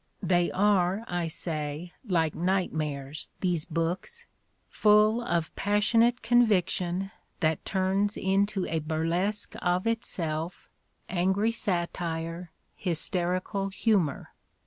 They are, I say, like nightmares, these books: full of passionate conviction that turns into a burlesque of itself, angry satire, hysterical humor.